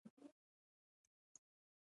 بدخشان د افغانانو د ژوند طرز اغېزمنوي.